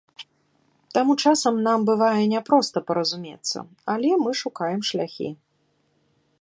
Таму часам нам бывае не проста паразумецца, але мы шукаем шляхі.